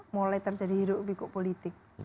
mulai terjadi hidup hidup politik